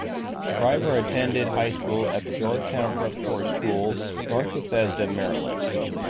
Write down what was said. Shriver attended high school at the Georgetown Preparatory School, North Bethesda, Maryland.